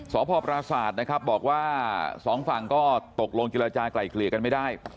สพปราศาสตร์บอกว่าสองฝั่งก็ตกลงจิลาจารย์ไกลเคลียร์กันไม่ได้